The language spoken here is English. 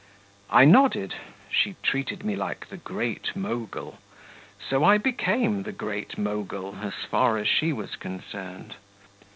I nodded; she treated me like the great Mogul; so I became the great Mogul as far as she was concerned.